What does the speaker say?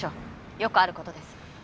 よくある事です。